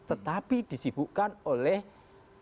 tetapi disibukkan oleh administrasi guru